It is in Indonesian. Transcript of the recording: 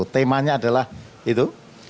temanya adalah itu